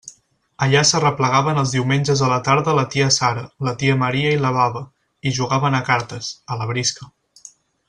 Allà s'arreplegaven els diumenges a la tarda la tia Sara, la tia Maria i la baba, i jugaven a cartes, a la brisca.